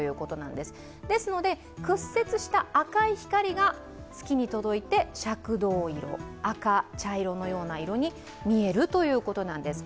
ですので屈折した赤い光が月に届いて赤銅色、赤茶色のような色に見えるということなんです。